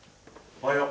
おはよう。